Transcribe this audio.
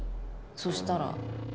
そしたら。